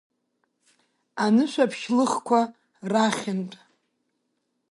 Анышәаԥшьлыхқәа ра-хьынтә…